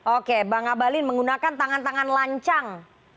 oke bang abalin menggunakan tangan tangan lancang